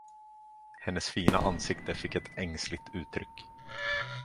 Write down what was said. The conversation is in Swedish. Hennes fina ansikte fick ett ängsligt uttryck.